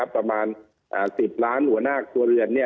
ประมาณ๑๐ล้านหัวหน้าครัวเรือน